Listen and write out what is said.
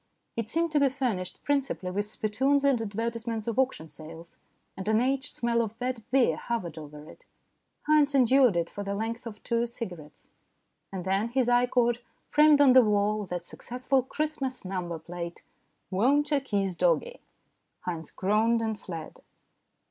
It seemed to be furnished principally with spittoons and advertisements of auction sales, and an aged smell of bad beer hovered over it. Haynes endured it for the length of two cigarettes, and then his eye caught, framed on the wall, that successful Christmas number plate, "Won't 'Oo Kiss Doggie?" Haynes groaned and fled.